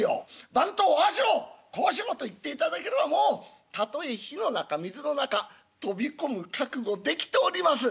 『番頭ああしろこうしろ』と言っていただければもうたとえ火の中水の中飛び込む覚悟できております」。